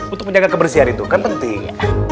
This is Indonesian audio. untuk menjaga kebersihan itu kan penting